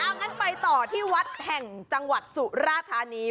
เอางั้นไปต่อที่วัดแห่งจังหวัดสุราธานี